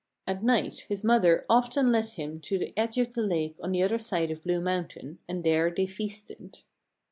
At night his mother often led him to the edge of the lake on the other side of Blue Mountain and there they feasted.